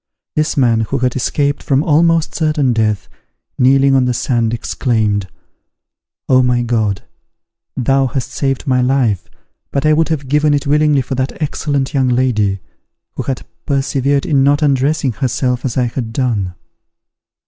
This man, who had escaped from almost certain death, kneeling on the sand, exclaimed, "Oh, my God! thou hast saved my life, but I would have given it willingly for that excellent young lady, who had persevered in not undressing herself as I had done."